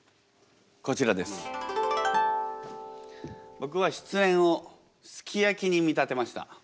僕は失恋をすき焼きに見立てました。